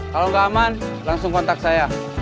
kalau nggak aman langsung kontak saya